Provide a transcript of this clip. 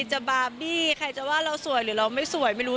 จะบาร์บี้ใครจะว่าเราสวยหรือเราไม่สวยไม่รู้